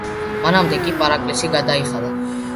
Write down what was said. მანამდე კი პარაკლისი გადაიხადა.